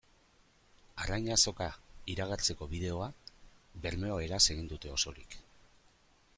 Arrain Azoka iragartzeko bideoa bermeoeraz egin dute osorik.